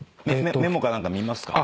メモか何か見ますか？